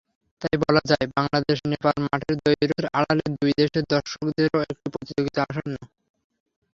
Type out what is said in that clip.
তাই বলা যায়, বাংলাদেশ-নেপাল মাঠের দ্বৈরথের আড়ালে দুই দেশের দর্শকদেরও একটি প্রতিযোগিতা আসন্ন।